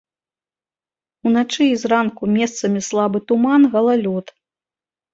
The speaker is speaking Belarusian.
Уначы і зранку месцамі слабы туман, галалёд.